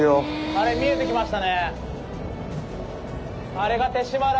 あれ見えてきましたね。